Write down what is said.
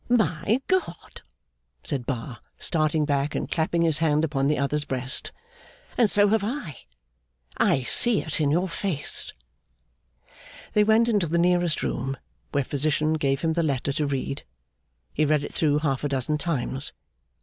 'My God!' said Bar, starting back, and clapping his hand upon the other's breast. 'And so have I! I see it in your face.' They went into the nearest room, where Physician gave him the letter to read. He read it through half a dozen times.